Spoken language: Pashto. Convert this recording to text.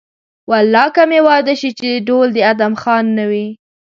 والله که مې واده شي چې ډول د ادم خان نه وي.